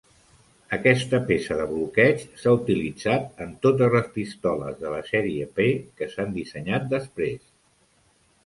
Aquesta peça de bloqueig s'ha utilitzat en totes les pistoles de la sèrie P que s'han dissenyat després.